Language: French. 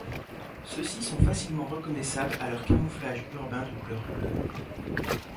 Ceux-ci sont facilement reconnaissables à leur camouflage urbain de couleur bleu.